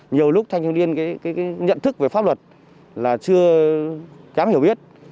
nhiều lúc thanh thiếu liên cái nhận thức về pháp luật là chưa kém hiểu biết